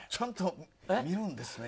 見るんですね映画。